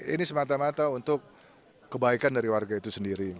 ini semata mata untuk kebaikan dari warga itu sendiri